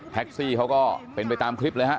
ซี่เขาก็เป็นไปตามคลิปเลยฮะ